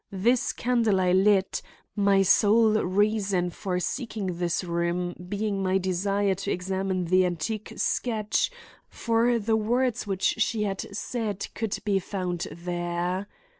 This candle I lit, my sole reason for seeking this room being my desire to examine the antique sketch for the words which she had said could be found there.